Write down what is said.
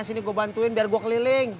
ini gue bantuin biar gue keliling